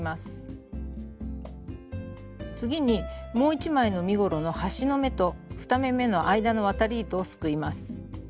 次にもう一枚の身ごろの端の目と２目めの間の渡り糸をすくいます。